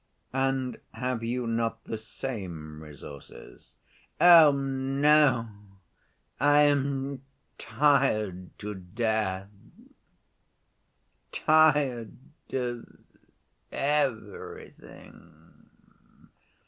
"And have you not the same resources?" "Oh no! I am tired to death! tired of everything!